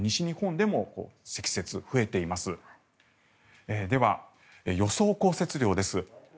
では、予想降雪量です。